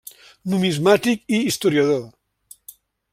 Numismàtic i historiador.